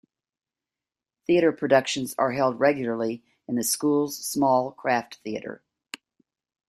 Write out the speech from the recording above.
Theatre productions are held regularly in the school's small Kraft Theatre.